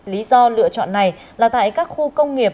lý do lựa chọn này là tại các khu công nghiệp